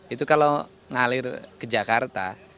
itu kalau ngalir ke jakarta